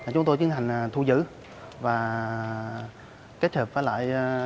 chúng tôi tiến hành thu giữ và kết hợp với lại